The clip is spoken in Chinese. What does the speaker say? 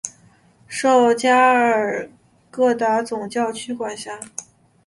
受加尔各答总教区管辖。